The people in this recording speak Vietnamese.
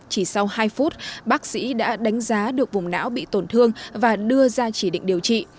chỉ sau hai phút bác sĩ đã đánh giá được vùng não bị tổn thương và đưa ra chỉ định điều trị